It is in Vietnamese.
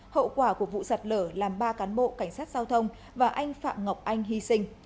hậu quả của vụ sạt lở làm ba cán bộ cảnh sát giao thông và anh phạm ngọc anh hy sinh